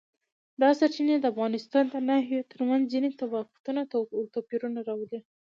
دا سرچینې د افغانستان د ناحیو ترمنځ ځینې تفاوتونه او توپیرونه راولي.